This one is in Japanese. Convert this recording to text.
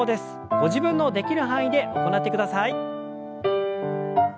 ご自分のできる範囲で行ってください。